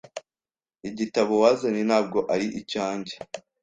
Igitabo wazanye ntabwo ari icyanjye.